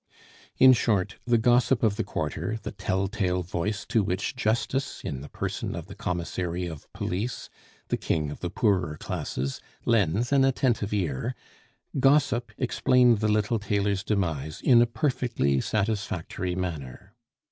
In short, the gossip of the quarter, the tell tale voice to which Justice, in the person of the commissary of police, the king of the poorer classes, lends an attentive ear gossip explained the little tailor's demise in a perfectly satisfactory manner.